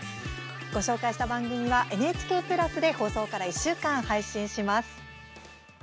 ご紹介した番組はＮＨＫプラスで放送から１週間配信します。